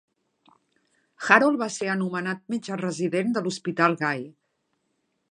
Harold va ser anomenat metge resident de l"Hospital Guy.